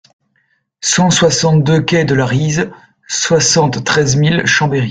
cent soixante-deux quai de la Rize, soixante-treize mille Chambéry